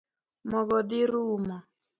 Mogo dhi rumo?